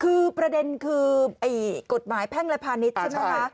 คือประเด็นคือกฎหมายแพ่งและพาณิชย์ใช่ไหมคะ